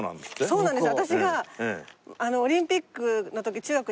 そうなんです。